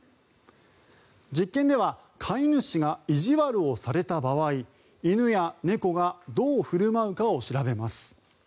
実験では飼い主が意地悪をされた場合犬や猫がどう振る舞うかを調べます。